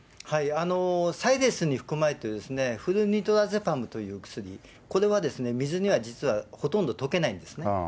サイレースに含まれているフルニトラゼパムという薬、これは水には実はほとんど溶けないんですね。